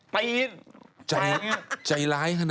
พี่เอาโดนไปถ่ายเขา